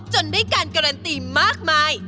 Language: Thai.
จนได้การการันตีมากมาย